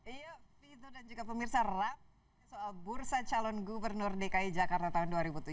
yuk itu dan juga pemirsa rap soal bursa calon gubernur dki jakarta tahun dua ribu tujuh belas